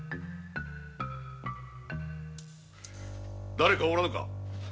だれかおらぬか。